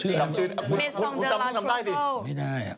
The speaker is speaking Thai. ชื่ออะไรนะครับคุณจำมึงทำได้สิไม่ได้